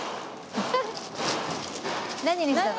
何にしたの？